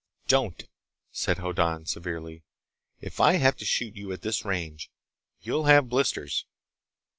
"Don't!" said Hoddan severely. "If I have to shoot you at this range, you'll have blisters!"